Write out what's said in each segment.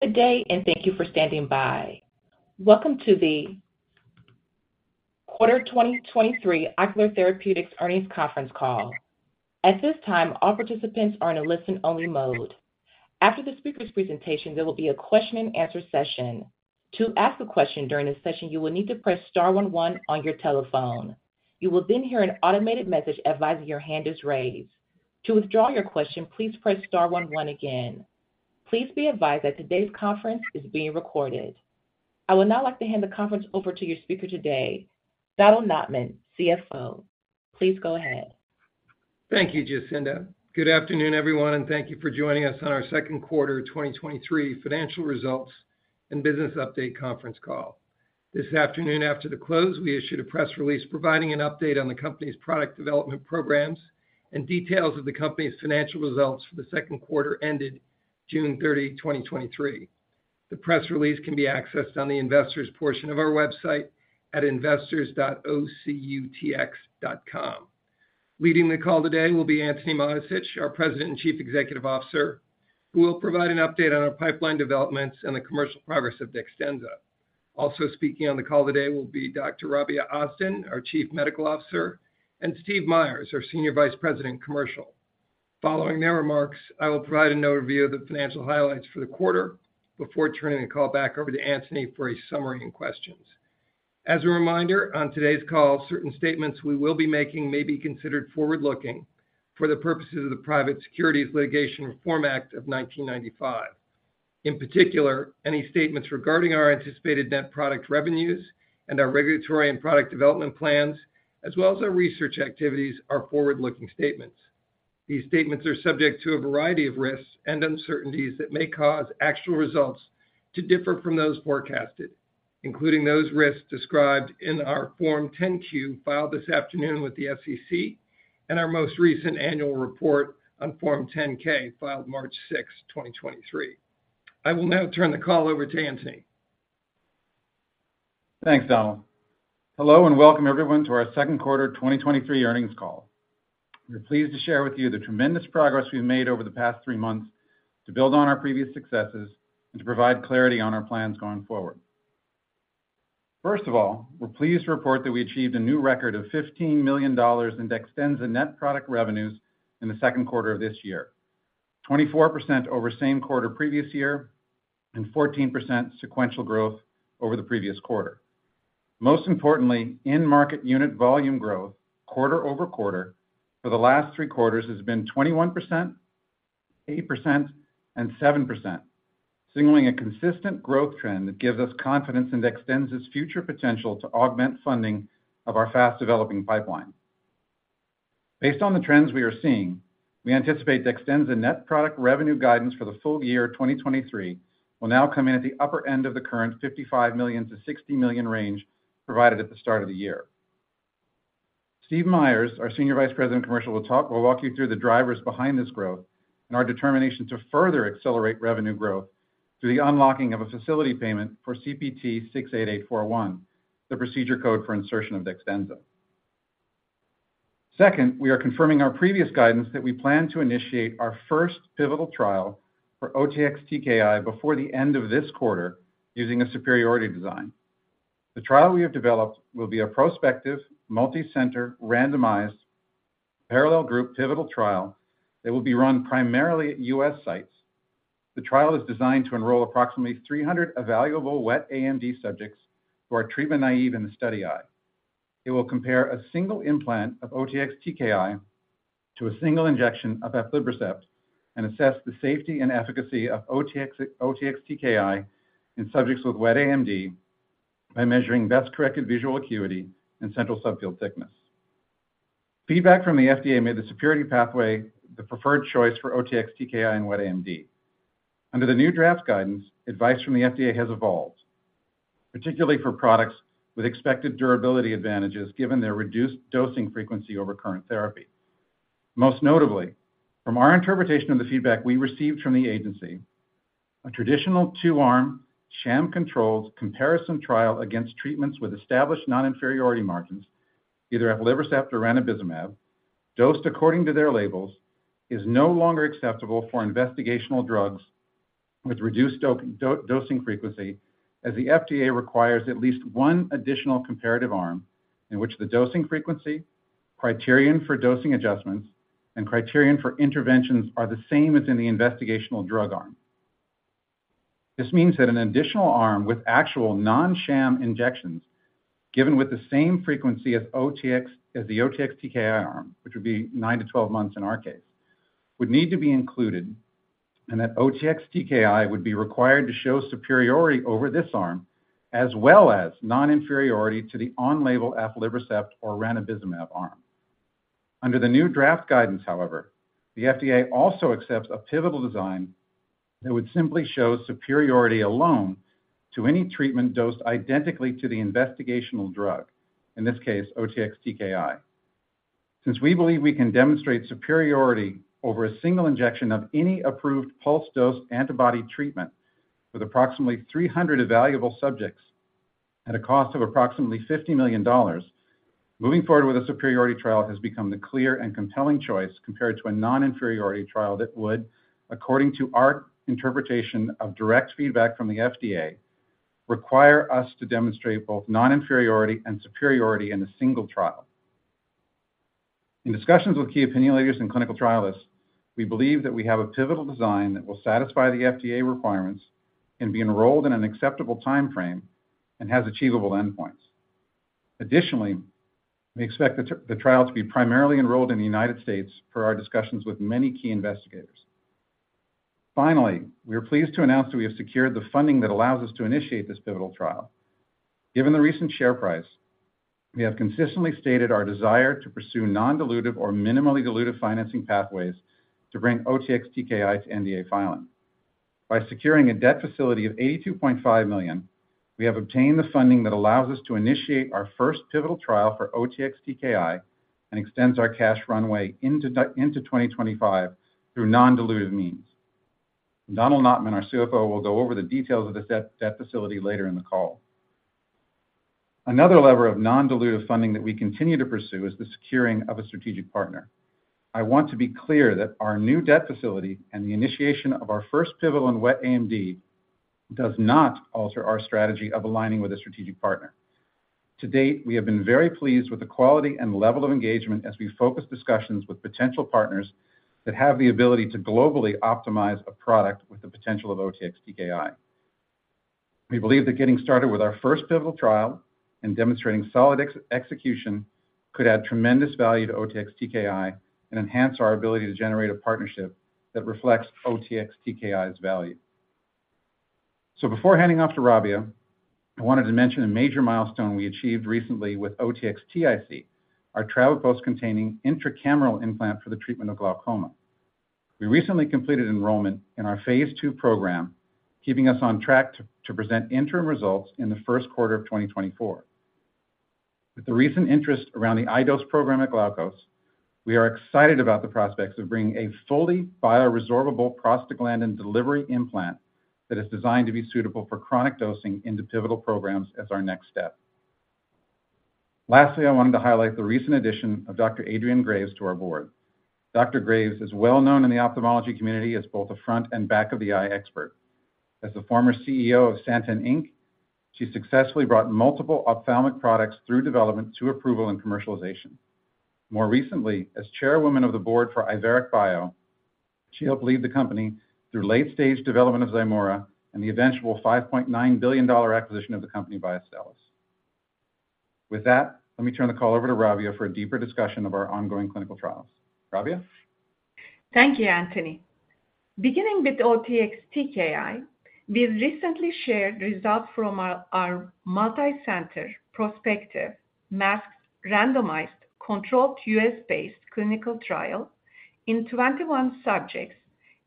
Good day, thank you for standing by. Welcome to the Quarter 2023 Ocular Therapeutix Earnings Conference Call. At this time, all participants are in a listen-only mode. After the speaker's presentation, there will be a question and answer session. To ask a question during this session, you will need to press star 11 on your telephone. You will hear an automated message advising your hand is raised. To withdraw your question, please press star 11 again. Please be advised that today's conference is being recorded. I would now like to hand the conference over to your speaker today, Donald Notman, CFO. Please go ahead. Thank you, Jacinda. Good afternoon, everyone, and thank you for joining us on our second quarter 2023 financial results and business update conference call. This afternoon, after the close, we issued a press release providing an update on the company's product development programs and details of the company's financial results for the second quarter ended June 30, 2023. The press release can be accessed on the investors portion of our website at investors.ocutx.com. Leading the call today will be Antony Mattessich, our President and Chief Executive Officer, who will provide an update on our pipeline developments and the commercial progress of DEXTENZA. Also speaking on the call today will be Dr. Rabia Austin, our Chief Medical Officer, and Steve Myers, our Senior Vice President, Commercial. Following their remarks, I will provide an overview of the financial highlights for the quarter before turning the call back over to Anthony for a summary and questions. As a reminder, on today's call, certain statements we will be making may be considered forward-looking for the purposes of the Private Securities Litigation Reform Act of 1995. In particular, any statements regarding our anticipated net product revenues and our regulatory and product development plans, as well as our research activities, are forward-looking statements. These statements are subject to a variety of risks and uncertainties that may cause actual results to differ from those forecasted, including those risks described in our Form 10-Q, filed this afternoon with the SEC, and our most recent annual report on Form 10-K, filed March 6th, 2023. I will now turn the call over to Anthony. Thanks, Donald. Hello, welcome everyone to our second quarter 2023 earnings call. We're pleased to share with you the tremendous progress we've made over the past three months to build on our previous successes and to provide clarity on our plans going forward. First of all, we're pleased to report that we achieved a new record of $15 million in DEXTENZA net product revenues in the second quarter of this year, 24% over same quarter previous year, and 14% sequential growth over the previous quarter. Most importantly, in-market unit volume growth, quarter-over-quarter for the last three quarters has been 21%, 8%, and 7%, signaling a consistent growth trend that gives us confidence in DEXTENZA's future potential to augment funding of our fast-developing pipeline. Based on the trends we are seeing, we anticipate DEXTENZA net product revenue guidance for the full year 2023 will now come in at the upper end of the current $55 million-$60 million range provided at the start of the year. Steve Myers, our Senior Vice President of Commercial, will walk you through the drivers behind this growth and our determination to further accelerate revenue growth through the unlocking of a facility payment for CPT 68841, the procedure code for insertion of DEXTENZA. Second, we are confirming our previous guidance that we plan to initiate our first pivotal trial for OTX-TKI before the end of this quarter using a superiority design. The trial we have developed will be a prospective, multicenter, randomized, parallel group pivotal trial that will be run primarily at U.S. sites. The trial is designed to enroll approximately 300 evaluable wet AMD subjects who are treatment naive in the study eye. It will compare a single implant of OTX-TKI to a single injection of aflibercept and assess the safety and efficacy of OTX-TKI in subjects with wet AMD by measuring best-corrected visual acuity and central subfield thickness. Feedback from the FDA made the superiority pathway the preferred choice for OTX-TKI and wet AMD. Under the new draft guidance, advice from the FDA has evolved, particularly for products with expected durability advantages given their reduced dosing frequency over current therapy. Most notably, from our interpretation of the feedback we received from the agency, a traditional two-arm, sham-controlled comparison trial against treatments with established non-inferiority margins, either aflibercept or ranibizumab, dosed according to their labels, is no longer acceptable for investigational drugs with reduced dose, dosing frequency, as the FDA requires at least one additional comparative arm in which the dosing frequency, criterion for dosing adjustments, and criterion for interventions are the same as in the investigational drug arm. This means that an additional arm with actual non-sham injections, given with the same frequency as the OTX-TKI arm, which would be 9-12 months in our case, would need to be included, and that OTX-TKI would be required to show superiority over this arm, as well as non-inferiority to the on-label aflibercept or ranibizumab arm. Under the new draft guidance, however, the FDA also accepts a pivotal design that would simply show superiority alone to any treatment dosed identically to the investigational drug, in this case, OTX-TKI. Since we believe we can demonstrate superiority over a single injection of any approved pulse dose antibody treatment with approximately 300 evaluable subjects at a cost of approximately $50 million, moving forward with a superiority trial has become the clear and compelling choice compared to a non-inferiority trial that would, according to our interpretation of direct feedback from the FDA, require us to demonstrate both non-inferiority and superiority in a single trial. In discussions with key opinion leaders and clinical trialists, we believe that we have a pivotal design that will satisfy the FDA requirements and be enrolled in an acceptable timeframe, and has achievable endpoints. Additionally, we expect the trial to be primarily enrolled in the United States per our discussions with many key investigators. Finally, we are pleased to announce that we have secured the funding that allows us to initiate this pivotal trial. Given the recent share price, we have consistently stated our desire to pursue non-dilutive or minimally dilutive financing pathways to bring OTX-TKI to NDA filing. By securing a debt facility of $82.5 million, we have obtained the funding that allows us to initiate our first pivotal trial for OTX-TKI, and extends our cash runway into 2025 through non-dilutive means. Donald Notman, our CFO, will go over the details of this debt facility later in the call. Another lever of non-dilutive funding that we continue to pursue is the securing of a strategic partner. I want to be clear that our new debt facility and the initiation of our first pivotal in wet AMD, does not alter our strategy of aligning with a strategic partner. To date, we have been very pleased with the quality and level of engagement as we focus discussions with potential partners that have the ability to globally optimize a product with the potential of OTX-TKI. We believe that getting started with our first pivotal trial and demonstrating solid execution, could add tremendous value to OTX-TKI and enhance our ability to generate a partnership that reflects OTX-TKI's value. Before handing off to Rabia, I wanted to mention a major milestone we achieved recently with OTX-TIC, our travoprost-containing intraocular implant for the treatment of glaucoma. We recently completed enrollment in our phase 2 program, keeping us on track to present interim results in the 1st quarter of 2024. With the recent interest around the iDose program at Glaukos, we are excited about the prospects of bringing a fully bioresorbable prostaglandin delivery implant that is designed to be suitable for chronic dosing into pivotal programs as our next step. Lastly, I wanted to highlight the recent addition of Dr. Adrienne Graves to our board. Dr. Graves is well-known in the ophthalmology community as both a front and back of the eye expert. As the former CEO of Santen Inc, she successfully brought multiple ophthalmic products through development to approval and commercialization. More recently, as Chairwoman of the Board for Iveric Bio, she helped lead the company through late-stage development of Zyvora and the eventual $5.9 billion acquisition of the company by Astellas. With that, let me turn the call over to Rabia for a deeper discussion of our ongoing clinical trials. Rabia? Thank you, Anthony. Beginning with OTX-TKI, we recently shared results from our multicenter prospective masked, randomized, controlled, US-based clinical trial in 21 subjects,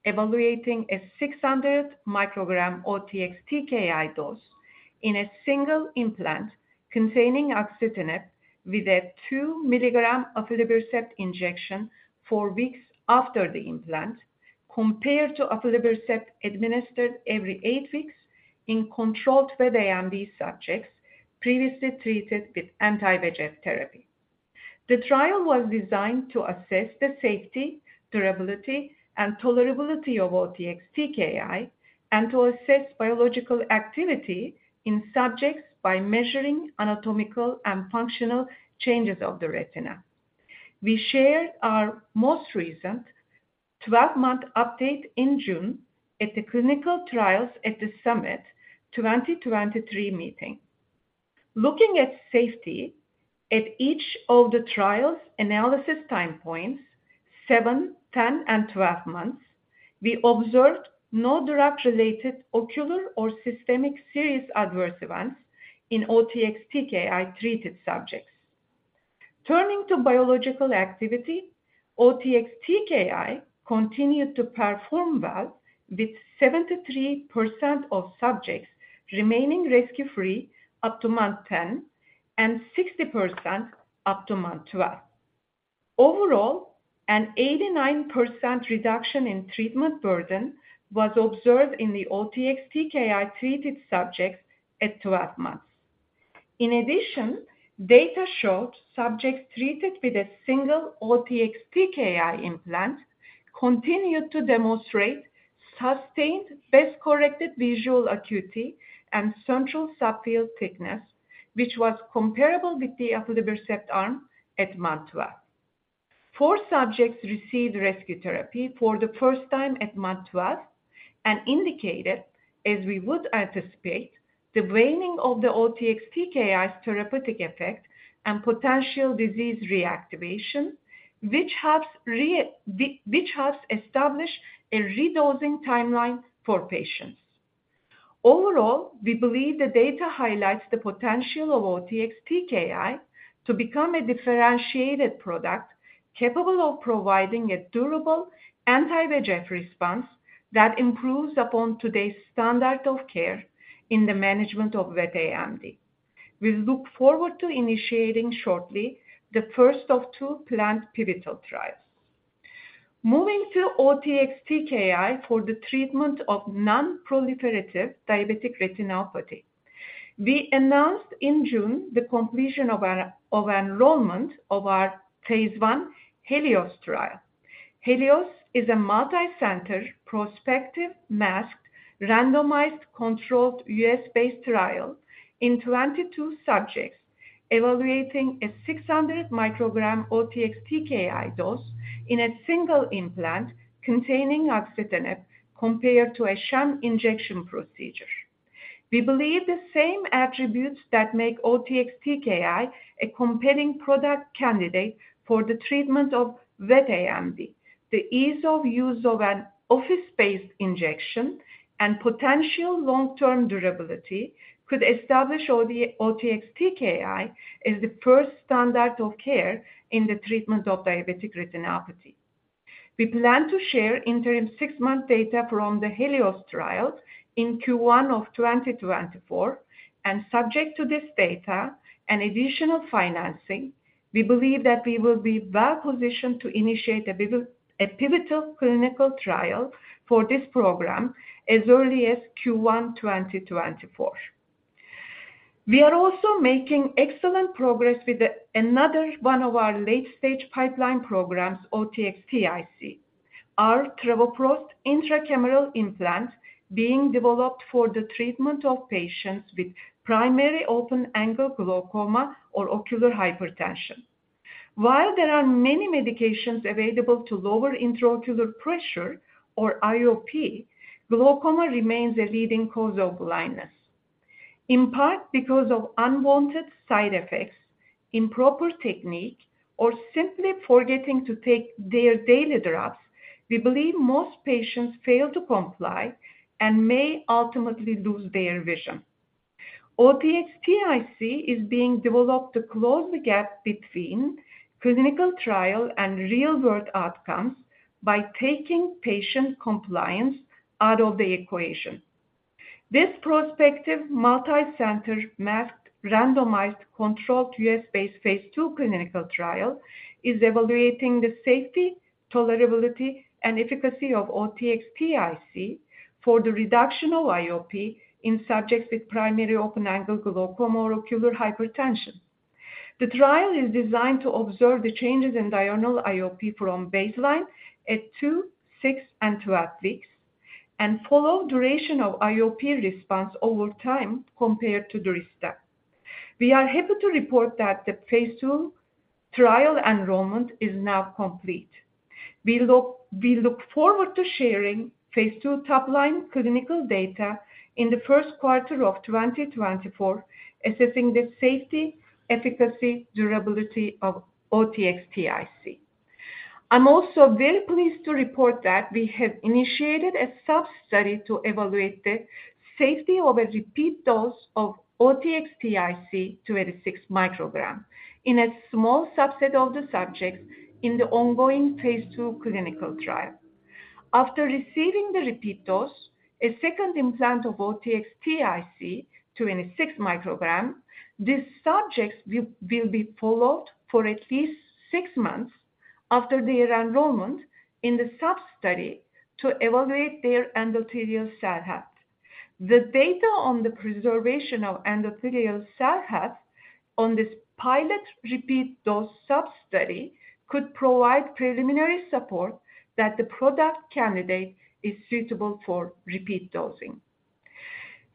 evaluating a 600 microgram OTX-TKI dose in a single implant containing axitinib, with a 2 milligram aflibercept injection 4 weeks after the implant, compared to aflibercept administered every 8 weeks in controlled wet AMD subjects previously treated with anti-VEGF therapy. The trial was designed to assess the safety, durability, and tolerability of OTX-TKI, and to assess biological activity in subjects by measuring anatomical and functional changes of the retina. We shared our most recent 12-month update in June at the Clinical Trials at the Summit 2023 meeting. Looking at safety at each of the trial's analysis time points, 7, 10, and 12 months, we observed no drug-related ocular or systemic serious adverse events in OTX-TKI-treated subjects. Turning to biological activity, OTX-TKI continued to perform well, with 73% of subjects remaining rescue-free up to month 10, and 60% up to month 12. Overall, an 89% reduction in treatment burden was observed in the OTX-TKI-treated subjects at 12 months. In addition, data showed subjects treated with a single OTX-TKI implant continued to demonstrate sustained best-corrected visual acuity and central subfield thickness, which was comparable with the aflibercept arm at month 12. Four subjects received rescue therapy for the first time at month 12, and indicated, as we would anticipate, the waning of the OTX-TKI's therapeutic effect and potential disease reactivation, which helps establish a redosing timeline for patients. Overall, we believe the data highlights the potential of OTX-TKI to become a differentiated product, capable of providing a durable anti-VEGF response that improves upon today's standard of care in the management of wet AMD. We look forward to initiating shortly, the first of 2 planned pivotal trials. Moving to OTX-TKI for the treatment of nonproliferative diabetic retinopathy. We announced in June the completion of our enrollment of our phase 1 HELIOS trial. HELIOS is a multicenter, prospective, masked, randomized, controlled, U.S.-based trial in 22 subjects, evaluating a 600 microgram OTX-TKI dose in a single implant containing axitinib, compared to a sham injection procedure. We believe the same attributes that make OTX-TKI a compelling product candidate for the treatment of wet AMD. The ease of use of an office-based injection and potential long-term durability could establish OTX-TKI as the first standard of care in the treatment of diabetic retinopathy. We plan to share interim 6-month data from the HELIOS trial in Q1 of 2024, and subject to this data and additional financing, we believe that we will be well positioned to initiate a pivotal clinical trial for this program as early as Q1, 2024. We are also making excellent progress with another one of our late-stage pipeline programs, OTX-TIC. Our travoprost intraocular implant being developed for the treatment of patients with primary open-angle glaucoma or ocular hypertension. While there are many medications available to lower intraocular pressure or IOP, glaucoma remains a leading cause of blindness. In part, because of unwanted side effects, improper technique, or simply forgetting to take their daily drops, we believe most patients fail to comply and may ultimately lose their vision. OTX-TIC is being developed to close the gap between clinical trial and real-world outcomes by taking patient compliance out of the equation. This prospective, multicenter, masked, randomized, controlled, US-based phase 2 clinical trial is evaluating the safety, tolerability, and efficacy of OTX-TIC for the reduction of IOP in subjects with primary open-angle glaucoma or ocular hypertension. The trial is designed to observe the changes in diurnal IOP from baseline at 2, 6, and 12 weeks, and follow duration of IOP response over time compared to the Durysta. We are happy to report that the phase 2 trial enrollment is now complete. We look forward to sharing Phase 2 top-line clinical data in the first quarter of 2024, assessing the safety, efficacy, durability of OTX-TIC. I'm also very pleased to report that we have initiated a sub-study to evaluate the safety of a repeat dose of OTX-TIC 286 microgram in a small subset of the subjects in the ongoing Phase 2 clinical trial. After receiving the repeat dose, a second implant of OTX-TIC 286 microgram, these subjects will be followed for at least 6 months after their enrollment in the sub-study to evaluate their endothelial cell health. The data on the preservation of endothelial cell health on this pilot repeat dose sub-study could provide preliminary support that the product candidate is suitable for repeat dosing.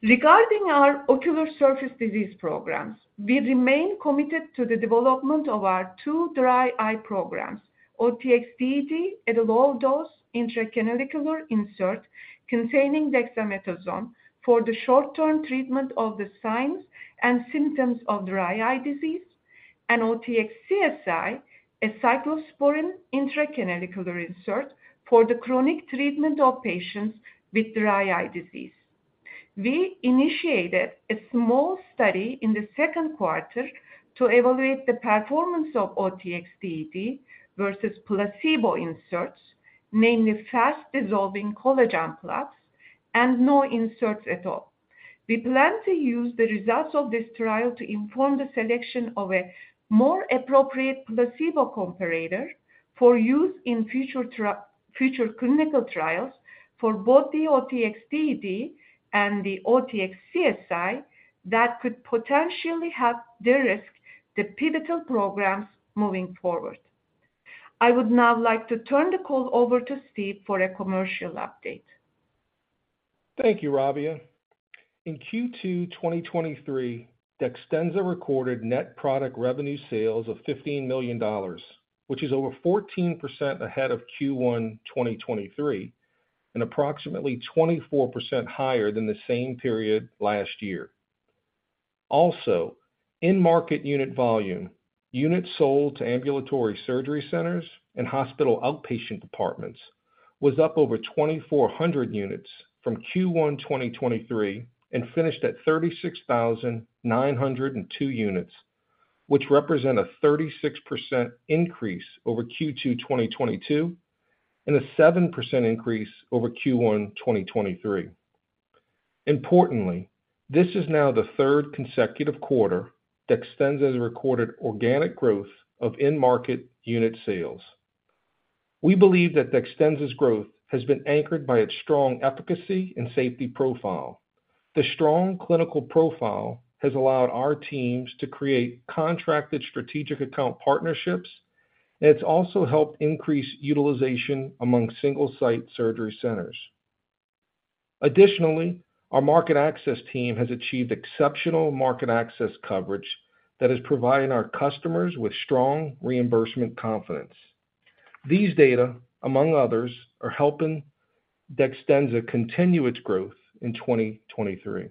Regarding our ocular surface disease programs, we remain committed to the development of our two dry eye programs, OTX-TD, at a low dose intracanalicular insert containing dexamethasone for the short-term treatment of the signs and symptoms of dry eye disease. OTX-CSI, a cyclosporine intracanalicular insert for the chronic treatment of patients with dry eye disease. We initiated a small study in the second quarter to evaluate the performance of OTX-TD versus placebo inserts, namely fast-dissolving collagen plugs and no inserts at all. We plan to use the results of this trial to inform the selection of a more appropriate placebo comparator for use in future clinical trials for both the OTX-TD and the OTX-CSI that could potentially help de-risk the pivotal programs moving forward. I would now like to turn the call over to Steve for a commercial update. Thank you, Rabia. In Q2 2023, DEXTENZA recorded net product revenue sales of $15 million, which is over 14% ahead of Q1 2023, and approximately 24% higher than the same period last year. In-market unit volume, units sold to ambulatory surgery centers and hospital outpatient departments was up over 2,400 units from Q1 2023 and finished at 36,902 units, which represent a 36% increase over Q2 2022 and a 7% increase over Q1 2023. Importantly, this is now the third consecutive quarter DEXTENZA has recorded organic growth of in-market unit sales. We believe that DEXTENZA's growth has been anchored by its strong efficacy and safety profile. The strong clinical profile has allowed our teams to create contracted strategic account partnerships, and it's also helped increase utilization among single-site surgery centers. Additionally, our market access team has achieved exceptional market access coverage that is providing our customers with strong reimbursement confidence. These data, among others, are helping DEXTENZA continue its growth in 2023.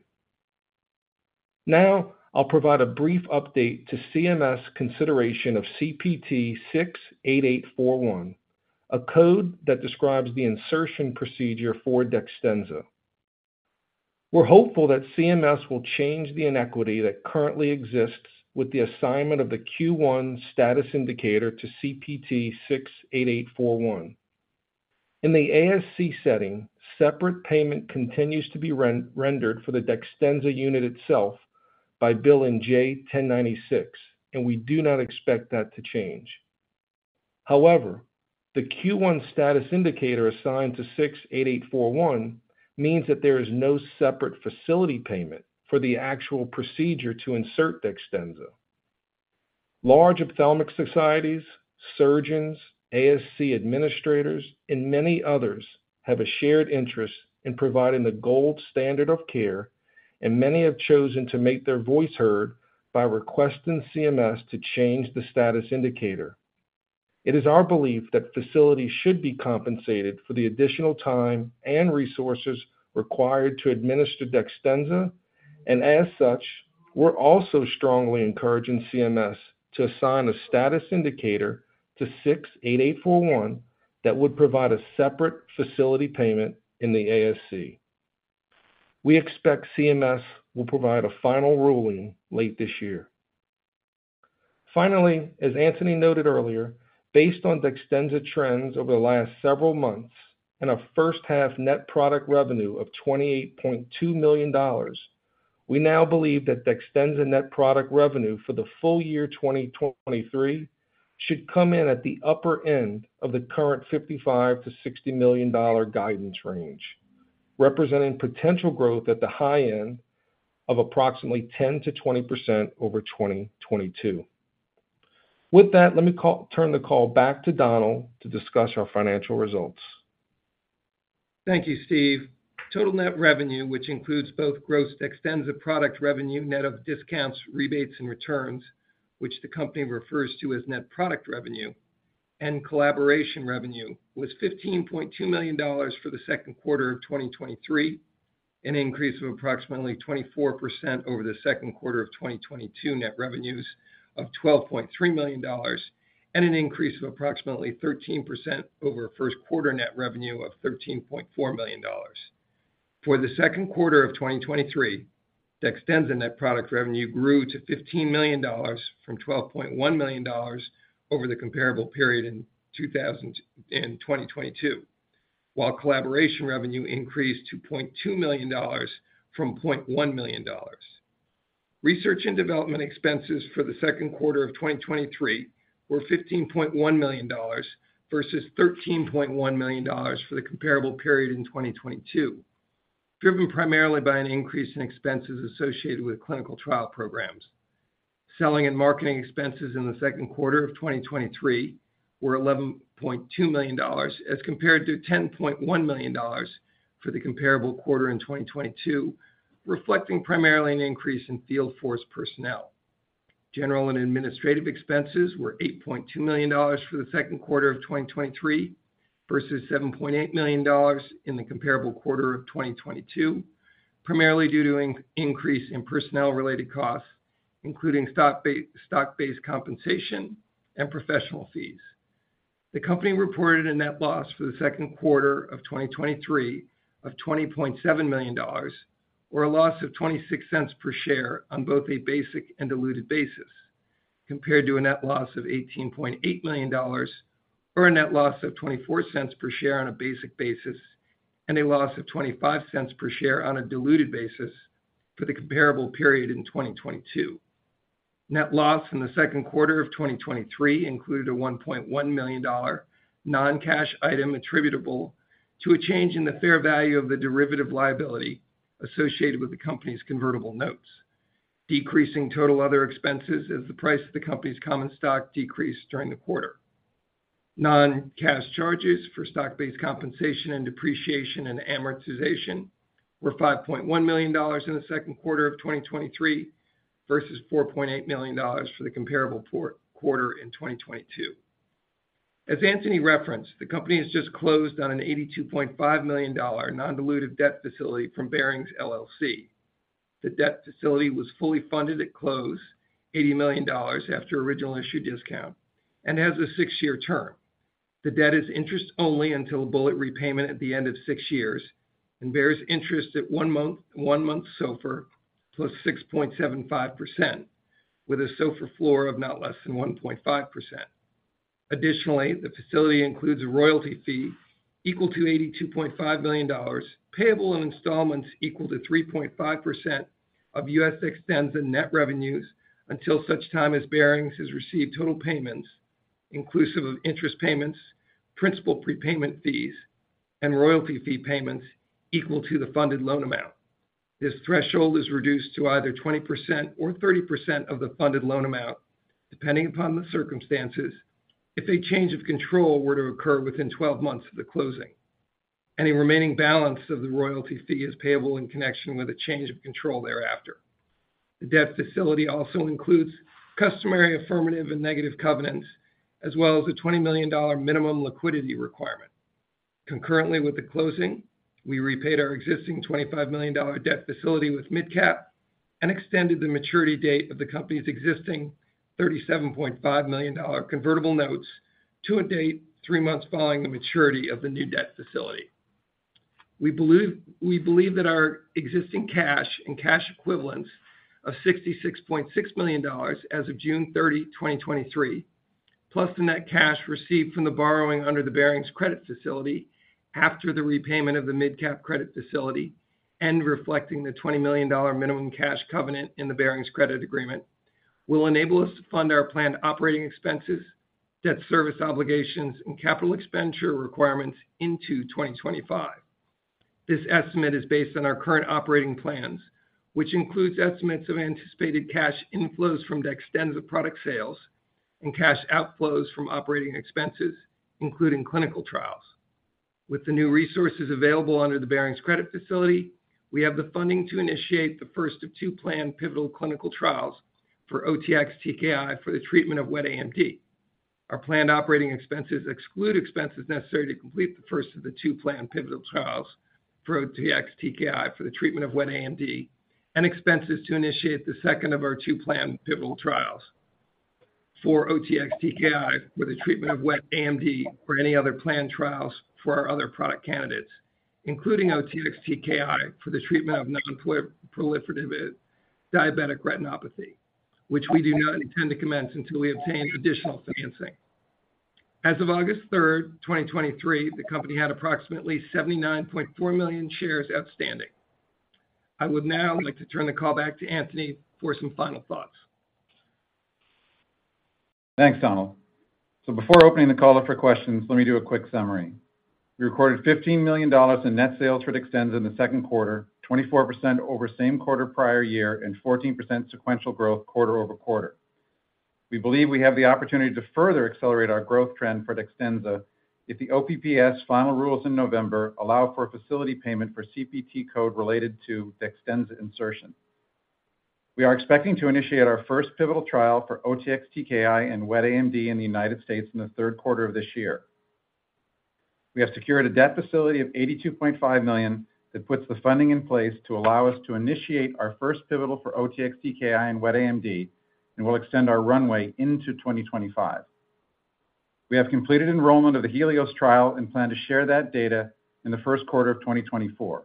Now, I'll provide a brief update to CMS consideration of CPT 68841, a code that describes the insertion procedure for DEXTENZA. We're hopeful that CMS will change the inequity that currently exists with the assignment of the Q1 status indicator to CPT 68841. In the ASC setting, separate payment continues to be rendered for the DEXTENZA unit itself by billing J1096, and we do not expect that to change. However, the Q1 status indicator assigned to 68841 means that there is no separate facility payment for the actual procedure to insert DEXTENZA. Large ophthalmic societies, surgeons, ASC administrators, and many others have a shared interest in providing the gold standard of care, and many have chosen to make their voice heard by requesting CMS to change the status indicator. It is our belief that facilities should be compensated for the additional time and resources required to administer DEXTENZA. As such, we're also strongly encouraging CMS to assign a status indicator to 68841 that would provide a separate facility payment in the ASC. We expect CMS will provide a final ruling late this year. Finally, as Anthony noted earlier, based on DEXTENZA trends over the last several months and a first half net product revenue of $28.2 million, we now believe that DEXTENZA net product revenue for the full year 2023 should come in at the upper end of the current $55 million-$60 million guidance range, representing potential growth at the high end of approximately 10%-20% over 2022. With that, let me turn the call back to Donald to discuss our financial results. Thank you, Steve. Total net revenue, which includes both gross DEXTENZA product revenue net of discounts, rebates, and returns, which the company refers to as net product revenue, and collaboration revenue, was $15.2 million for the second quarter of 2023, an increase of approximately 24% over the second quarter of 2022 net revenues of $12.3 million, and an increase of approximately 13% over first quarter net revenue of $13.4 million. For the second quarter of 2023, DEXTENZA net product revenue grew to $15 million from $12.1 million over the comparable period in 2022, while collaboration revenue increased to $0.2 million from $0.1 million. Research and development expenses for the second quarter of 2023 were $15.1 million versus $13.1 million for the comparable period in 2022, driven primarily by an increase in expenses associated with clinical trial programs. Selling and marketing expenses in the second quarter of 2023 were $11.2 million, as compared to $10.1 million for the comparable quarter in 2022, reflecting primarily an increase in field force personnel. General and administrative expenses were $8.2 million for the second quarter of 2023 versus $7.8 million in the comparable quarter of 2022, primarily due to an increase in personnel-related costs, including stock-based compensation and professional fees. The company reported a net loss for the second quarter of 2023 of $20.7 million, or a loss of $0.26 per share on both a basic and diluted basis, compared to a net loss of $18.8 million, or a net loss of $0.24 per share on a basic basis, and a loss of $0.25 per share on a diluted basis for the comparable period in 2022. Net loss in the second quarter of 2023 included a $1.1 million non-cash item attributable to a change in the fair value of the derivative liability associated with the company's convertible notes. Decreasing total other expenses as the price of the company's common stock decreased during the quarter. Non-cash charges for stock-based compensation and depreciation and amortization were $5.1 million in the 2Q of 2023 versus $4.8 million for the comparable quarter in 2022. As Anthony referenced, the company has just closed on an $82.5 million non-dilutive debt facility from Barings LLC. The debt facility was fully funded at close, $80 million after original issue discount, and has a 6-year term. The debt is interest only until bullet repayment at the end of 6 years and bears interest at 1 month, 1 month SOFR plus 6.75%, with a SOFR floor of not less than 1.5%. Additionally, the facility includes a royalty fee equal to $82.5 million, payable in installments equal to 3.5% of U.S. extends the net revenues until such time as Barings has received total payments, inclusive of interest payments, principal prepayment fees, and royalty fee payments equal to the funded loan amount. This threshold is reduced to either 20% or 30% of the funded loan amount, depending upon the circumstances, if a change of control were to occur within 12 months of the closing. Any remaining balance of the royalty fee is payable in connection with a change of control thereafter. The debt facility also includes customary, affirmative, and negative covenants, as well as a $20 million minimum liquidity requirement. Concurrently with the closing, we repaid our existing $25 million debt facility with MidCap and extended the maturity date of the company's existing $37.5 million convertible notes to a date three months following the maturity of the new debt facility. We believe that our existing cash and cash equivalents of $66.6 million as of June 30, 2023, plus the net cash received from the borrowing under the Barings credit facility after the repayment of the MidCap credit facility and reflecting the $20 million minimum cash covenant in the Barings credit agreement, will enable us to fund our planned operating expenses, debt service obligations, and capital expenditure requirements into 2025. This estimate is based on our current operating plans, which includes estimates of anticipated cash inflows from DEXTENZA product sales and cash outflows from operating expenses, including clinical trials. With the new resources available under the Barings credit facility, we have the funding to initiate the first of two planned pivotal clinical trials for OTX-TKI for the treatment of wet AMD. Our planned operating expenses exclude expenses necessary to complete the first of the two planned pivotal trials for OTX-TKI for the treatment of wet AMD and expenses to initiate the second of our two planned pivotal trials for OTX-TKI for the treatment of wet AMD or any other planned trials for our other product candidates, including OTX-TKI for the treatment of nonproliferative diabetic retinopathy, which we do not intend to commence until we obtain additional financing. As of August 3rd, 2023, the company had approximately 79.4 million shares outstanding. I would now like to turn the call back to Anthony for some final thoughts. Thanks, Donald. Before opening the call up for questions, let me do a quick summary. We recorded $15 million in net sales for DEXTENZA in the second quarter, 24% over same quarter prior year, and 14% sequential growth quarter-over-quarter. We believe we have the opportunity to further accelerate our growth trend for DEXTENZA if the OPPS final rules in November allow for a facility payment for CPT code related to DEXTENZA insertion. We are expecting to initiate our first pivotal trial for OTX-TKI in wet AMD in the United States in the third quarter of this year. We have secured a debt facility of $82.5 million that puts the funding in place to allow us to initiate our first pivotal for OTX-TKI in wet AMD and will extend our runway into 2025. We have completed enrollment of the HELIOS trial and plan to share that data in the first quarter of 2024.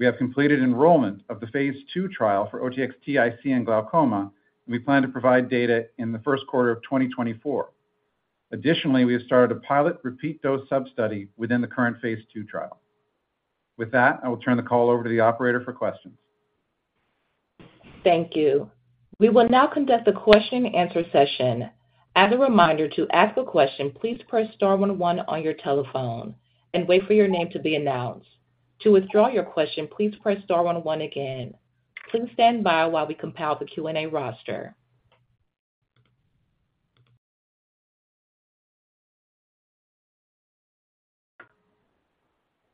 We have completed enrollment of the phase two trial for OTX-TIC in glaucoma, and we plan to provide data in the first quarter of 2024. Additionally, we have started a pilot repeat dose sub-study within the current phase two trial. With that, I will turn the call over to the operator for questions. Thank you. We will now conduct a question and answer session. As a reminder, to ask a question, please press star one one on your telephone and wait for your name to be announced. To withdraw your question, please press star one one again. Please stand by while we compile the Q&A roster.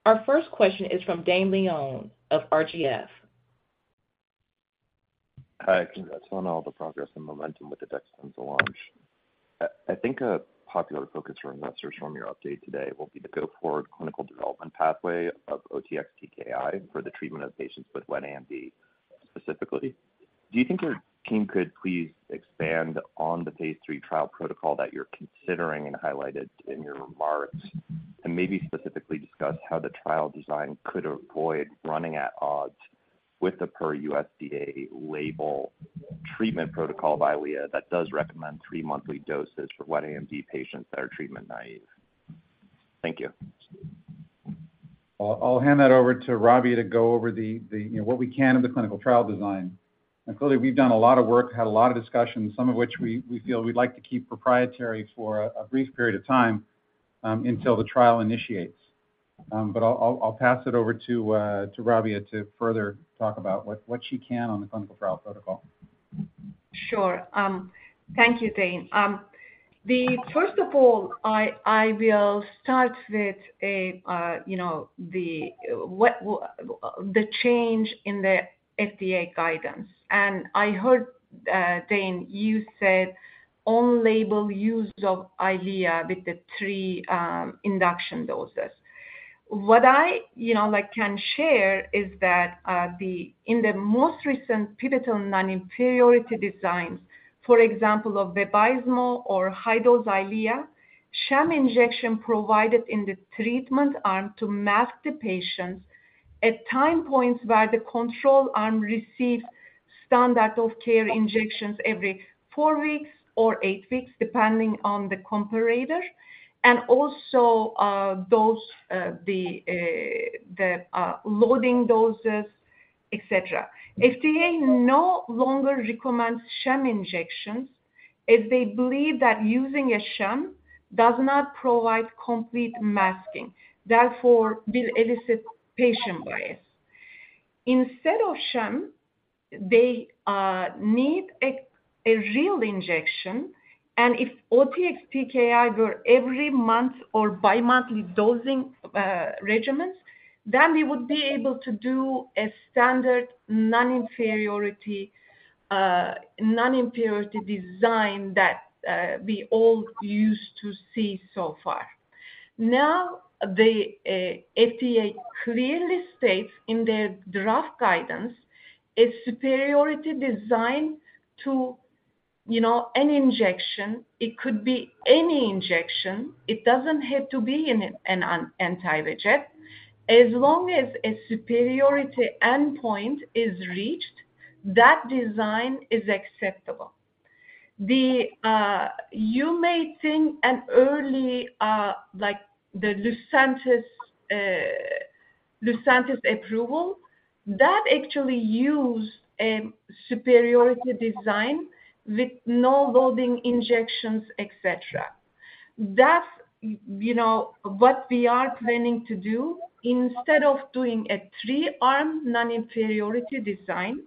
Our first question is from Dane Leone of Raymond James. Hi, congrats on all the progress and momentum with the DEXTENZA launch. I think a popular focus for investors from your update today will be the go-forward clinical development pathway of OTX-TKI for the treatment of patients with wet AMD. Specifically, do you think your team could please expand on the phase three trial protocol that you're considering and highlighted in your remarks, and maybe specifically discuss how the trial design could avoid running at odds with the per FDA label treatment protocol by EYLEA that does recommend three monthly doses for wet AMD patients that are treatment naive? Thank you. I'll, I'll hand that over to Rabia to go over the, the, you know, what we can in the clinical trial design. Clearly, we've done a lot of work, had a lot of discussions, some of which we, we feel we'd like to keep proprietary for a brief period of time, until the trial initiates. I'll, I'll, I'll pass it over to Rabia to further talk about what, what she can on the clinical trial protocol. Sure. Thank you, Dane. The first of all, I, I will start with a, you know, the what, the change in the FDA guidance. I heard, Dane, you said on-label use of EYLEA with the 3, induction doses. What I, you know, I can share is that, the- in the most recent pivotal non-inferiority designs, for example, of Vabysmo or high-dose EYLEA-... sham injection provided in the treatment arm to mask the patients at time points where the control arm receives standard of care injections every four weeks or eight weeks, depending on the comparator, and also, the loading doses, etc. FDA no longer recommends sham injections as they believe that using a sham does not provide complete masking, therefore will elicit patient bias. Instead of sham, they need a real injection, and if OTX-TKI were every month or bi-monthly dosing regimens, then we would be able to do a standard non-inferiority non-inferiority design that we all used to see so far. The FDA clearly states in their draft guidance, a superiority design to, you know, any injection, it could be any injection. It doesn't have to be an anti-reject. As long as a superiority endpoint is reached, that design is acceptable. The, you may think an early, like the Lucentis, Lucentis approval, that actually used a superiority design with no loading injections, etc. That's, you know, what we are planning to do. Instead of doing a three-arm non-inferiority design,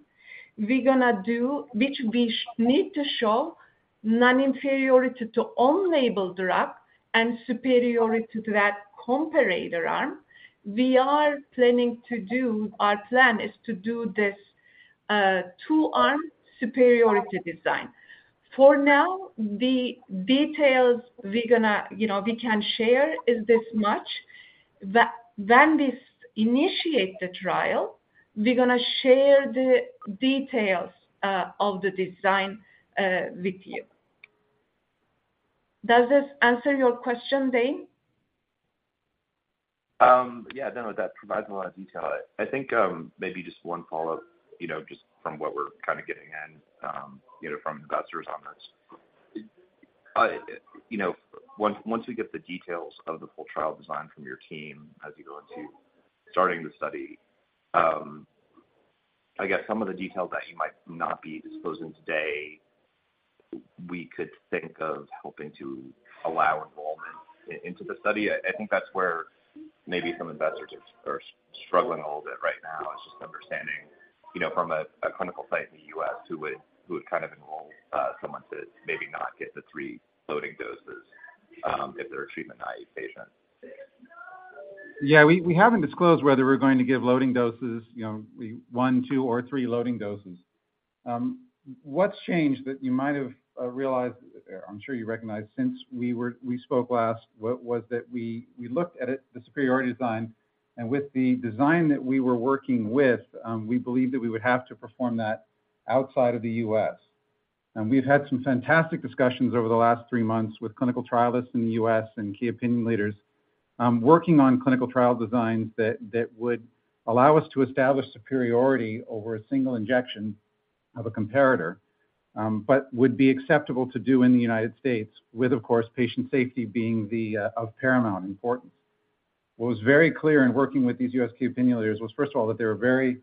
we're gonna do, which we need to show non-inferiority to on-label drug and superiority to that comparator arm. Our plan is to do this, two-arm superiority design. For now, the details we're gonna, you know, we can share is this much. When, when this initiate the trial, we're gonna share the details of the design with you. Does this answer your question, Dane? Yeah, no, that provides a lot of detail. I think, maybe just one follow-up, you know, just from what we're kind of getting in, you know, from investors on this. You know, once, once we get the details of the full trial design from your team as you go into starting the study, I guess some of the details that you might not be disclosing today, we could think of helping to allow involvement i-into the study. I, I think that's where maybe some investors are, are struggling a little bit right now. It's just understanding, you know, from a, a clinical site in the U.S., who would, who would kind of enroll, someone to maybe not get the three loading doses, if they're a treatment-naive patient. Yeah, we, we haven't disclosed whether we're going to give loading doses, you know, we 1, 2, or 3 loading doses. What's changed that you might have realized, or I'm sure you recognize, since we spoke last, what was that we, we looked at it, the superiority design, and with the design that we were working with, we believed that we would have to perform that outside of the U.S. We've had some fantastic discussions over the last 3 months with clinical trialists in the U.S. and key opinion leaders, working on clinical trial designs that, that would allow us to establish superiority over a single injection of a comparator, but would be acceptable to do in the United States, with, of course, patient safety being the of paramount importance. What was very clear in working with these U.S. key opinion leaders was, first of all, that they were very,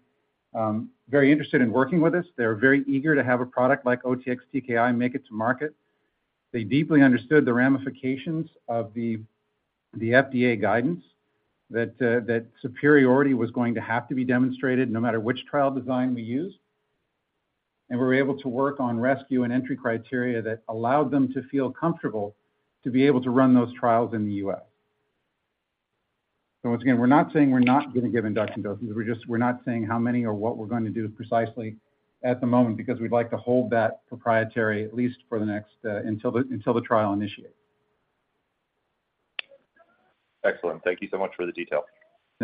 very interested in working with us. They were very eager to have a product like OTX-TKI make it to market. They deeply understood the ramifications of the FDA guidance, that superiority was going to have to be demonstrated no matter which trial design we used. We were able to work on rescue and entry criteria that allowed them to feel comfortable to be able to run those trials in the U.S. Once again, we're not saying we're not gonna give induction doses. We're just, we're not saying how many or what we're going to do precisely at the moment, because we'd like to hold that proprietary, at least for the next, until the trial initiates. Excellent. Thank you so much for the detail.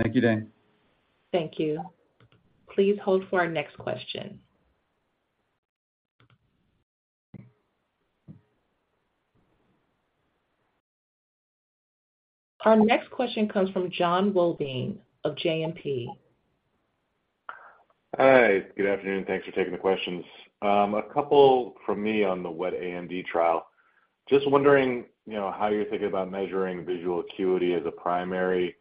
Thank you, Dane. Thank you. Please hold for our next question. Our next question comes from Jon Wolleben of JMP. Hi, good afternoon. Thanks for taking the questions. A couple from me on the wet AMD trial. Just wondering, you know, how you're thinking about measuring visual acuity as a primary,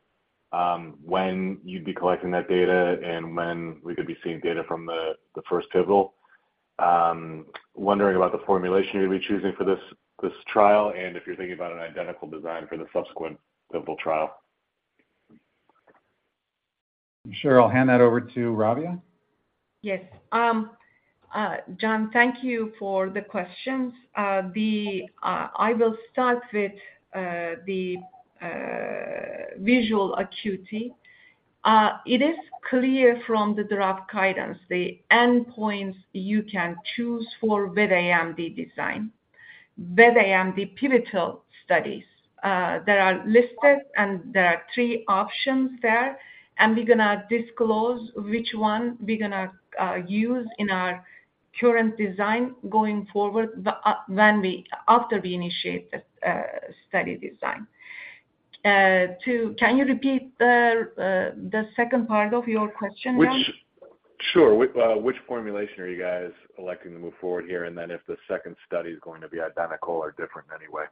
when you'd be collecting that data and when we could be seeing data from the, the first pivotal? Wondering about the formulation you'll be choosing for this, this trial, and if you're thinking about an identical design for the subsequent pivotal trial. Sure. I'll hand that over to Rabia. Yes. John, thank you for the questions. The, I will start with the visual acuity. It is clear from the draft guidance, the endpoints you can choose for wet AMD design, wet AMD pivotal studies. They are listed, and there are three options there, and we're gonna disclose which one we're gonna use in our trial. Current design going forward, the, when we, after we initiate the study design. Two, can you repeat the second part of your question now? Sure. Which formulation are you guys electing to move forward here? Then if the second study is going to be identical or different in any way?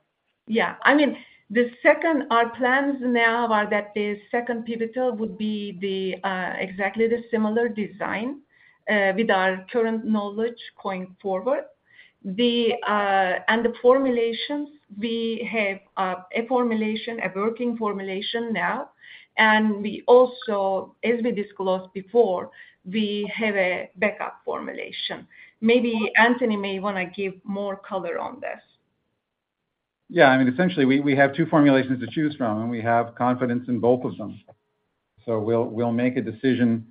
Yeah. I mean, the second, our plans now are that the second pivotal would be the, exactly the similar design, with our current knowledge going forward. The, and the formulations, we have, a formulation, a working formulation now, and we also, as we disclosed before, we have a backup formulation. Maybe Anthony may want to give more color on this. Yeah, I mean, essentially, we, we have two formulations to choose from, and we have confidence in both of them. We'll, we'll make a decision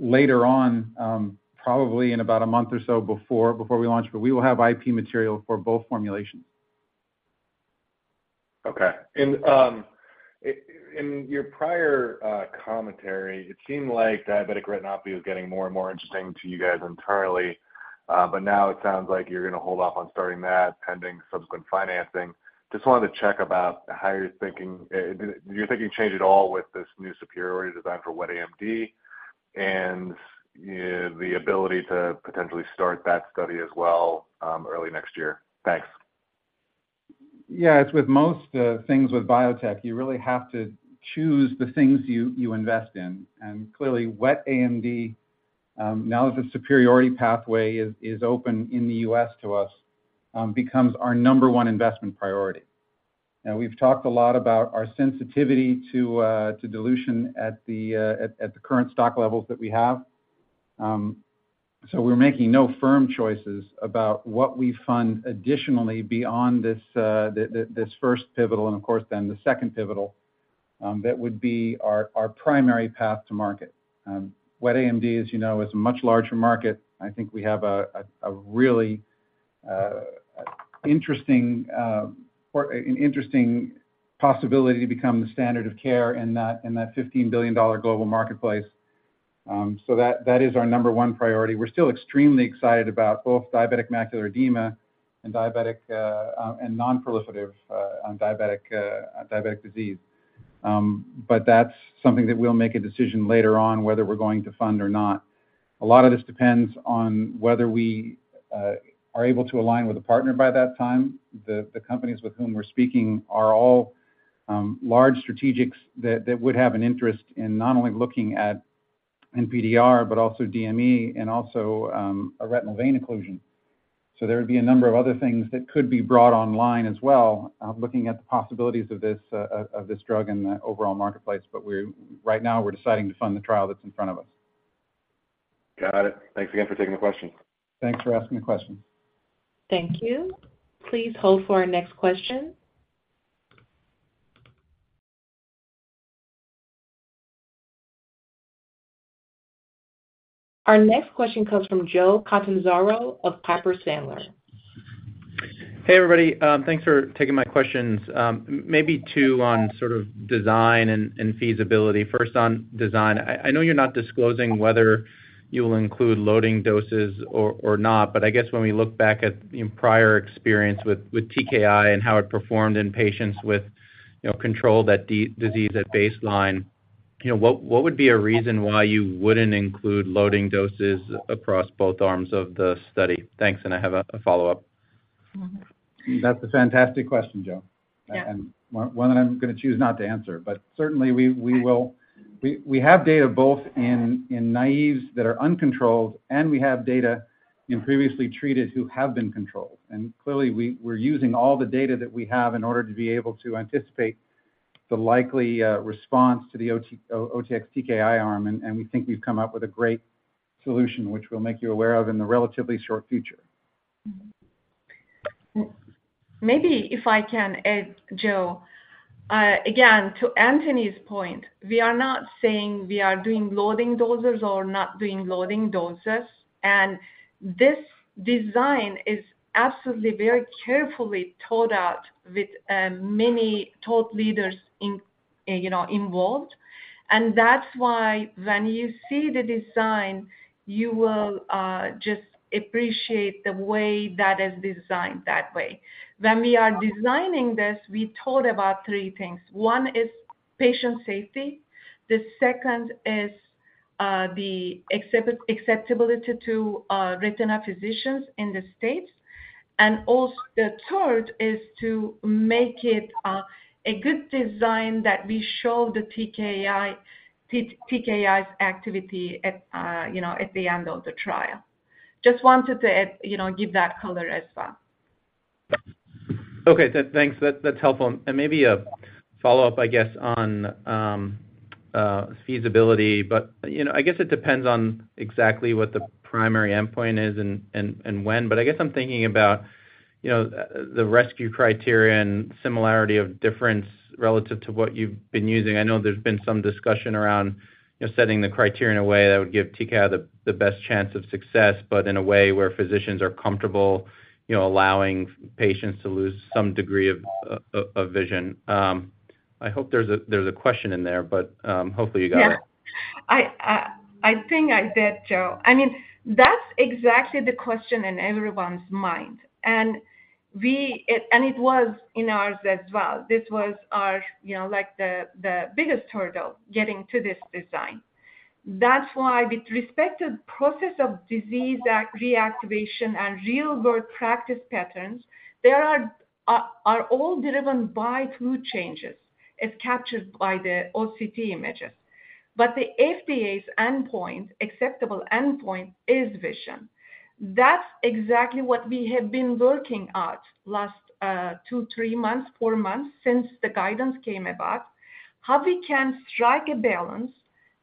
later on, probably in about a month or so before, before we launch, but we will have IP material for both formulations. Okay. In your prior commentary, it seemed like diabetic retinopathy was getting more and more interesting to you guys entirely. Now it sounds like you're going to hold off on starting that, pending subsequent financing. Just wanted to check about how you're thinking, do you think you change it all with this new superiority design for wet AMD, and the ability to potentially start that study as well, early next year? Thanks. Yeah, as with most things with biotech, you really have to choose the things you, you invest in. Clearly, wet AMD, now that the superiority pathway is, is open in the US to us, becomes our number one investment priority. We've talked a lot about our sensitivity to dilution at the current stock levels that we have. We're making no firm choices about what we fund additionally beyond this, this, this first pivotal and, of course, then the second pivotal, that would be our, our primary path to market. Wet AMD, as you know, is a much larger market. I think we have a, a really interesting or an interesting possibility to become the standard of care in that, in that $15 billion global marketplace. So that, that is our number 1 priority. We're still extremely excited about both diabetic macular edema and diabetic and nonproliferative on diabetic diabetic disease. But that's something that we'll make a decision later on, whether we're going to fund or not. A lot of this depends on whether we are able to align with a partner by that time. The companies with whom we're speaking are all large strategics that would have an interest in not only looking at NPDR, but also DME and also a retinal vein occlusion. So there would be a number of other things that could be brought online as well, looking at the possibilities of this of this drug in the overall marketplace. But right now, we're deciding to fund the trial that's in front of us. Got it. Thanks again for taking the question. Thanks for asking the question. Thank you. Please hold for our next question. Our next question comes from Joe Catanzaro of Piper Sandler. Hey, everybody, thanks for taking my questions. Maybe two on sort of design and feasibility. First, on design, I, I know you're not disclosing whether you will include loading doses or not, but I guess when we look back at, you know, prior experience with TKI and how it performed in patients with, you know, controlled at disease at baseline, you know, what, what would be a reason why you wouldn't include loading doses across both arms of the study? Thanks. I have a follow-up. Mm-hmm. That's a fantastic question, Joe. Yeah. One, one that I'm going to choose not to answer. Certainly, we have data both in, in naives that are uncontrolled, and we have data in previously treated who have been controlled. Clearly, we're using all the data that we have in order to be able to anticipate the likely response to the OTX-TKI arm, and we think we've come up with a great solution, which we'll make you aware of in the relatively short future. Maybe if I can add, Joe, again, to Anthony's point, we are not saying we are doing loading doses or not doing loading doses. This design is absolutely very carefully thought out with many thought leaders in, you know, involved. That's why when you see the design, you will just appreciate the way that is designed that way. When we are designing this, we thought about three things. One is patient safety, the second is, the acceptability to retina physicians in the States, the third is to make it a good design that we show the TKI, TKIs activity at, you know, at the end of the trial. Just wanted to add, you know, give that color as well. Okay, thanks. That, that's helpful. Maybe a follow-up, I guess, on feasibility, but, you know, I guess it depends on exactly what the primary endpoint is and, and, and when, but I guess I'm thinking about, you know, the rescue criteria and similarity of difference relative to what you've been using. I know there's been some discussion around, you know, setting the criteria in a way that would give TKI the, the best chance of success, but in a way where physicians are comfortable, you know, allowing patients to lose some degree of, of, of vision.... I hope there's a, there's a question in there, but, hopefully you got it. Yeah. I think I did, Joe. I mean, that's exactly the question in everyone's mind. It was in ours as well. This was our, you know, like, the biggest hurdle, getting to this design. That's why with respect to process of disease reactivation and real-world practice patterns, there are all driven by two changes, as captured by the OCT images. The FDA's endpoint, acceptable endpoint, is vision. That's exactly what we have been working at last two, three months, four months since the guidance came about. How we can strike a balance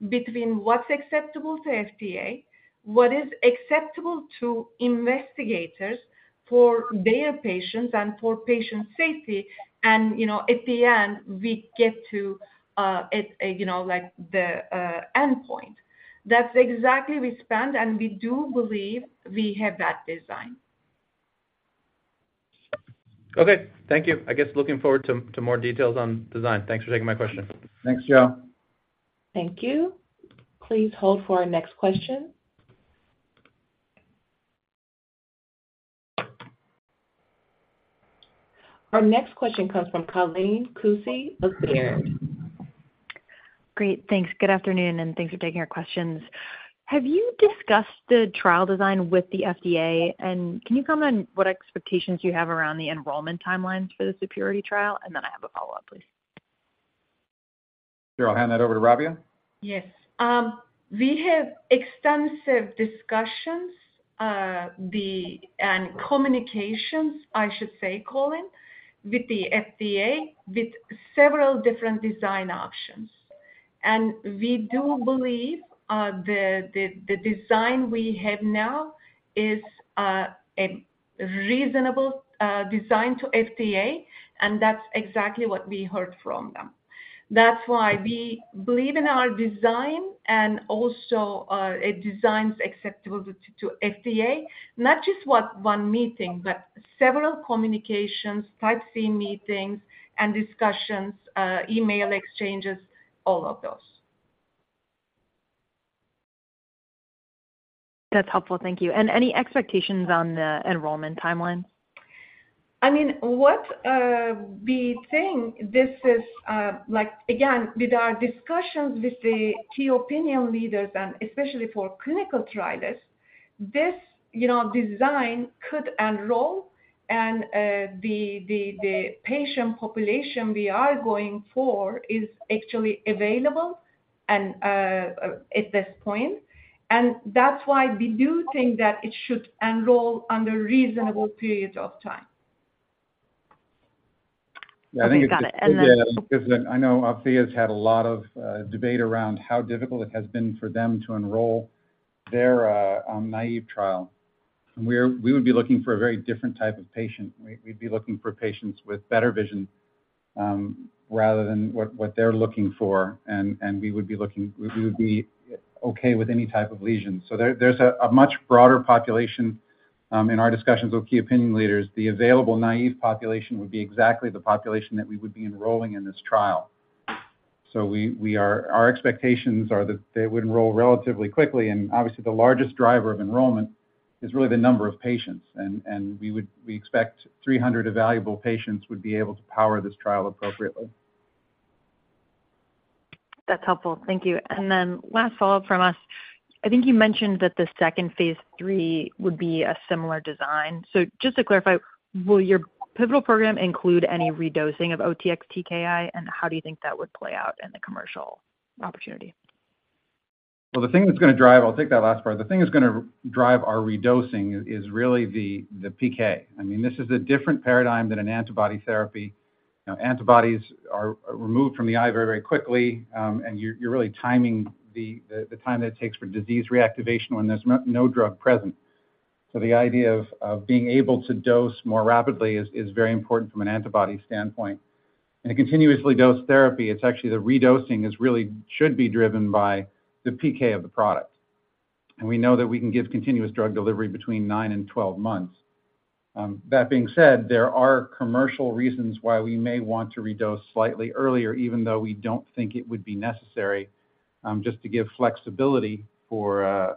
between what's acceptable to FDA, what is acceptable to investigators for their patients and for patient safety, and, you know, at the end, we get to, you know, like the endpoint. That's exactly we spent, and we do believe we have that design. Okay, thank you. I guess looking forward to more details on design. Thanks for taking my question. Thanks, Joe. Thank you. Please hold for our next question. Our next question comes from Colleen Kusy of Baird. Great, thanks. Good afternoon, thanks for taking our questions. Have you discussed the trial design with the FDA? Can you comment what expectations you have around the enrollment timelines for the superiority trial? I have a follow-up, please. Sure. I'll hand that over to Rabia. Yes. We have extensive discussions, communications, I should say, Colleen, with the FDA, with several different design options. We do believe the design we have now is a reasonable design to FDA, and that's exactly what we heard from them. That's why we believe in our design and also a design's acceptability to FDA. Not just what one meeting, but several communications, Type C meetings and discussions, email exchanges, all of those. That's helpful. Thank you. Any expectations on the enrollment timeline? I mean, what, we think this is, like, again, with our discussions with the key opinion leaders, and especially for clinical trials, this, you know, design could enroll and, the patient population we are going for is actually available and, at this point. That's why we do think that it should enroll on a reasonable period of time. Okay, got it. I know Althea's had a lot of debate around how difficult it has been for them to enroll their naive trial. We would be looking for a very different type of patient. We, we'd be looking for patients with better vision, rather than what, what they're looking for, and we would be okay with any type of lesion. There, there's a much broader population in our discussions with key opinion leaders. The available naive population would be exactly the population that we would be enrolling in this trial. Our expectations are that they would enroll relatively quickly, and obviously, the largest driver of enrollment is really the number of patients. We expect 300 evaluable patients would be able to power this trial appropriately. That's helpful. Thank you. Then last follow-up from us. I think you mentioned that the second phase three would be a similar design. Just to clarify, will your pivotal program include any redosing of OTX-TKI, and how do you think that would play out in the commercial opportunity? Well, the thing that's gonna drive... I'll take that last part. The thing that's gonna drive our redosing is really the PK. I mean, this is a different paradigm than an antibody therapy. You know, antibodies are removed from the eye very, very quickly, and you're really timing the time that it takes for disease reactivation when there's no drug present. The idea of being able to dose more rapidly is very important from an antibody standpoint. In a continuously dosed therapy, it's actually the redosing should be driven by the PK of the product. We know that we can give continuous drug delivery between 9 and 12 months. That being said, there are commercial reasons why we may want to redose slightly earlier, even though we don't think it would be necessary, just to give flexibility for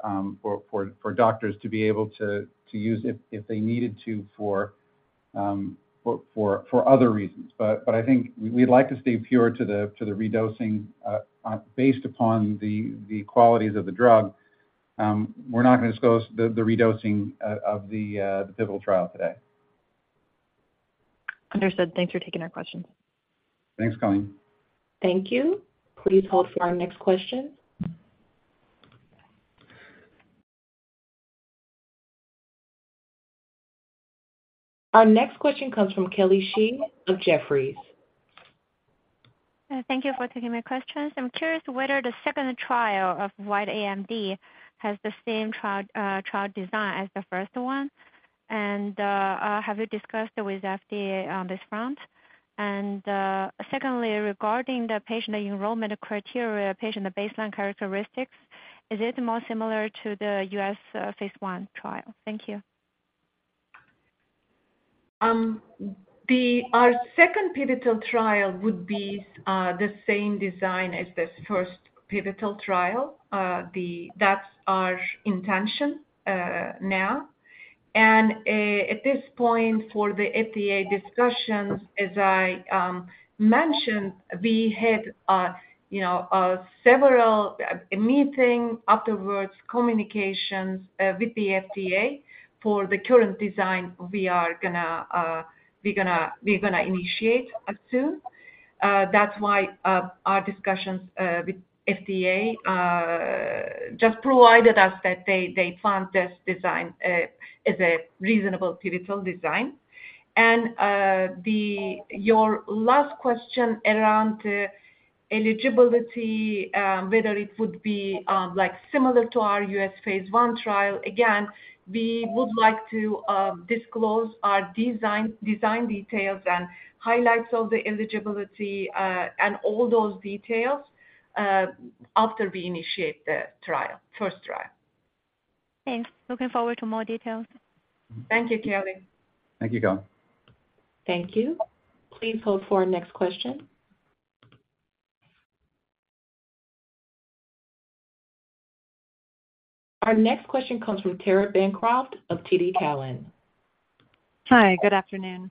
doctors to be able to use if they needed to for other reasons. But I think we'd like to stay pure to the redosing based upon the qualities of the drug. We're not gonna discuss the redosing of the pivotal trial today. Understood. Thanks for taking our questions. Thanks, Colleen. Thank you. Please hold for our next question. Our next question comes from Kelly Shi of Jefferies. Thank you for taking my questions. I'm curious whether the second trial of wet AMD has the same trial design as the first one, and have you discussed it with FDA on this front? Secondly, regarding the patient enrollment criteria, patient baseline characteristics, is it more similar to the U.S. phase 1 trial? Thank you. Our second pivotal trial would be the same design as this first pivotal trial. That's our intention now. At this point, for the FDA discussions, as I mentioned, we had, you know, several meeting, afterwards, communications with the FDA for the current design we are gonna, we're gonna, we're gonna initiate soon. That's why our discussions with FDA just provided us that they, they found this design as a reasonable pivotal design. Your last question around eligibility, whether it would be like, similar to our U.S. phase 1 trial, again, we would like to disclose our design, design details and highlights of the eligibility and all those details after we initiate the trial, first trial. Thanks. Looking forward to more details. Thank you, Kelly. Thank you, Kelly. Thank you. Please hold for our next question. Our next question comes from Tara Bancroft of TD Cowen. Hi, good afternoon.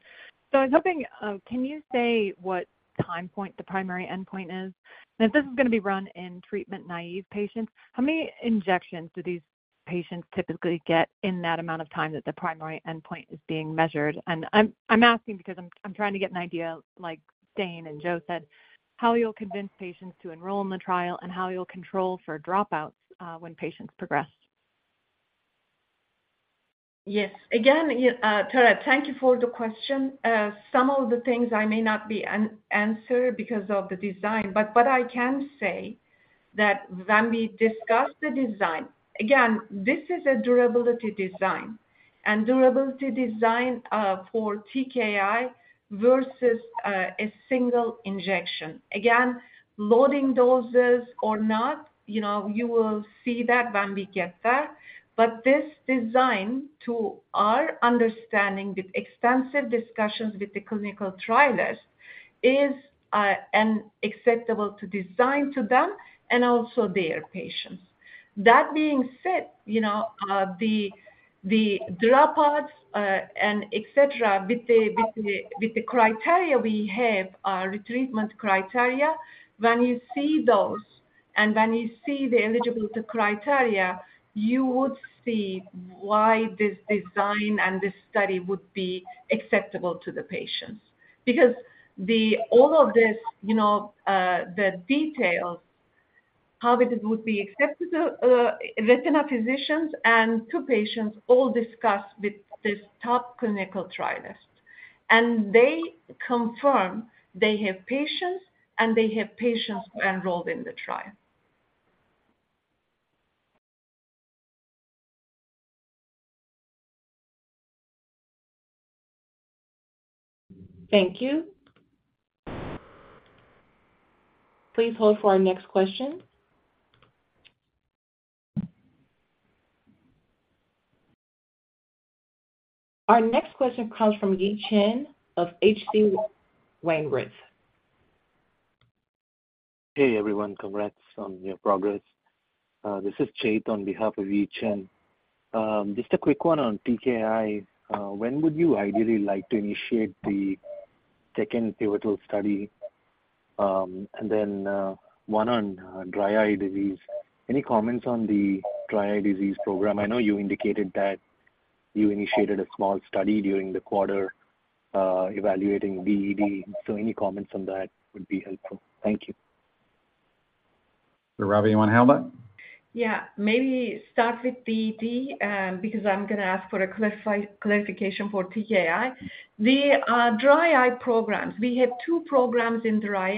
I was hoping, can you say what time point the primary endpoint is? If this is gonna be run in treatment-naive patients, how many injections do these patients typically get in that amount of time that the primary endpoint is being measured? I'm, I'm asking because I'm, I'm trying to get an idea, like Dane and Joe said, how you'll convince patients to enroll in the trial and how you'll control for dropouts when patients progress. Yes. Again, you, Tara, thank you for the question. Some of the things I may not be answer because of the design, but what I can say that when we discuss the design... Again, this is a durability design, and durability design for TKI versus a single injection. Again, loading doses or not, you know, you will see that when we get there. This design, to our understanding, with extensive discussions with the clinical trialers, is an acceptable to design to them and also their patients. That being said, you know, the, the dropouts, and et cetera, with the, with the, with the criteria we have, our retreatment criteria, when you see those, and when you see the eligibility criteria, you would see why this design and this study would be acceptable to the patients. Because the, all of this, you know, the details, how it would be accepted, retina physicians and to patients, all discussed with this top clinical trialist. They confirm they have patients, and they have patients who enrolled in the trial. Thank you. Please hold for our next question. Our next question comes from Yi Chen of H.C. Wainwright. Hey, everyone. Congrats on your progress. This is Chet on behalf of Yi Chen. Just a quick one on TKI. When would you ideally like to initiate the second pivotal study? Then, one on dry eye disease. Any comments on the dry eye disease program? I know you indicated that you initiated a small study during the quarter, evaluating DED. Any comments on that would be helpful. Thank you. Rabia, you want to handle that? Yeah. Maybe start with DED, because I'm gonna ask for a clarification for TKI. The dry eye programs, we have 2 programs in dry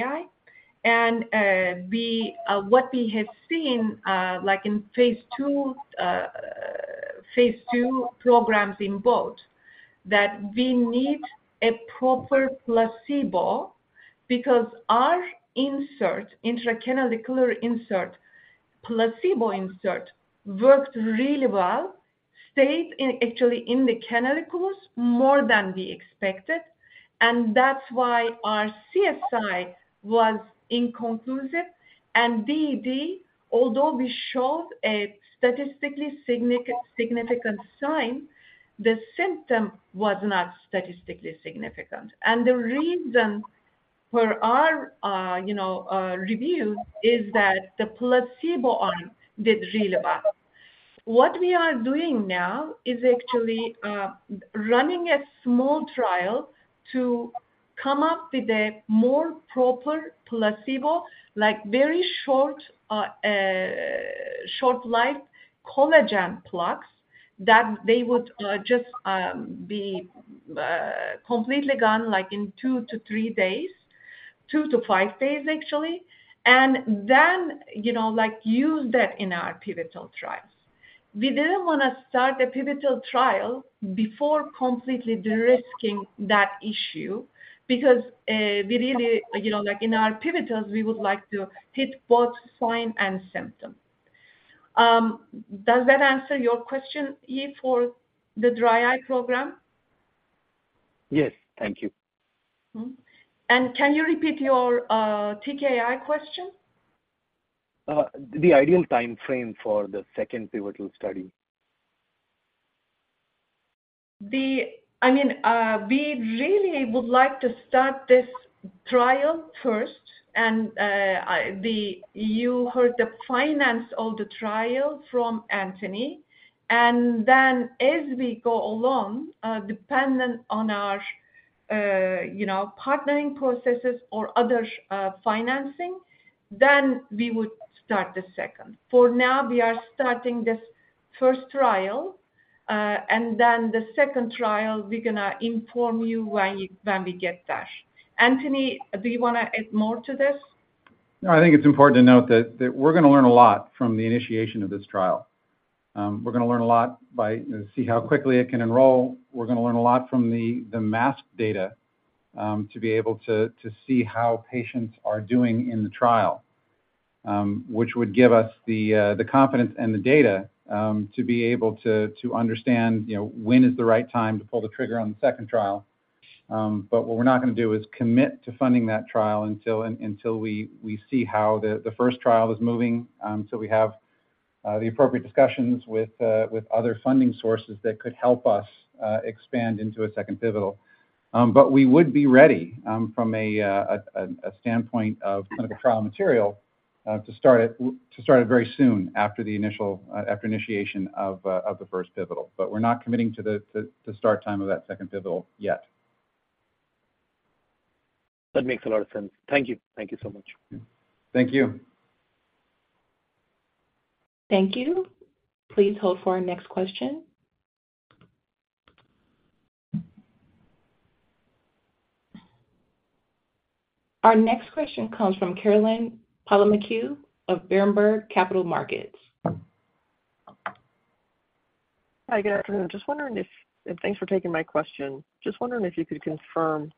eye, we, what we have seen, like in phase 2, phase 2 programs in both, that we need a proper placebo because our insert, intracanalicular insert, placebo insert, worked really well, stayed in, actually in the canaliculus more than we expected, and that's why our CSI was inconclusive. DED, although we showed a statistically significant sign, the symptom was not statistically significant. The reason for our, you know, review is that the placebo arm did really well. What we are doing now is actually running a small trial to come up with a more proper placebo, like very short, short-lived collagen plugs, that they would just be completely gone, like, in 2 to 3 days, 2 to 5 days, actually, and then, you know, like, use that in our pivotal trials. We didn't want to start a pivotal trial before completely de-risking that issue, because we really, you know, like, in our pivotals, we would like to hit both sign and symptom. Does that answer your question, Yi, for the dry eye program? Yes. Thank you. Mm-hmm. can you repeat your TKI question? The ideal time frame for the second pivotal study. The... I mean, we really would like to start this trial first, and, I, the, you heard the finance of the trial from Anthony. As we go along, dependent on our, you know, partnering processes or other financing, then we would start the second. For now, we are starting this first trial, and then the second trial, we're going to inform you when you- when we get there. Anthony, do you wanna add more to this? I think it's important to note that, that we're going to learn a lot from the initiation of this trial. We're going to learn a lot by, you know, see how quickly it can enroll. We're going to learn a lot from the, the mask data to be able to, to see how patients are doing in the trial, which would give us the, the confidence and the data to be able to, to understand, you know, when is the right time to pull the trigger on the second trial. What we're not going to do is commit to funding that trial until, until we, we see how the, the first trial is moving, till we have the appropriate discussions with other funding sources that could help us expand into a second pivotal. We would be ready from a standpoint of clinical trial material to start it, to start it very soon after the initial after initiation of the first pivotal. We're not committing to the to to start time of that second pivotal yet. That makes a lot of sense. Thank you. Thank you so much. Thank you. Thank you. Please hold for our next question. Our next question comes from Caroline Palomeque of Berenberg Capital Markets. Hi, good afternoon. Thanks for taking my question. Just wondering if you could confirm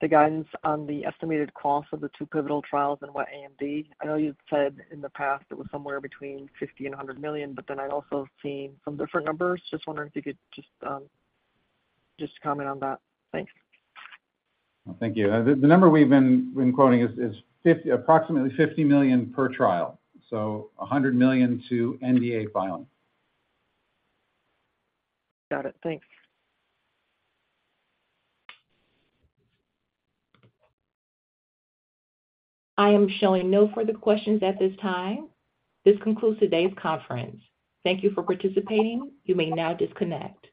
the guidance on the estimated cost of the two pivotal trials and wet AMD? I know you've said in the past it was somewhere between $50 million and $100 million, but then I'd also seen some different numbers. Just wondering if you could just comment on that. Thanks. Thank you. The number we've been quoting is approximately $50 million per trial, so $100 million to NDA filing. Got it. Thanks. I am showing no further questions at this time. This concludes today's conference. Thank you for participating. You may now disconnect.